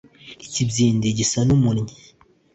ikibyindi gisa n'umunnyi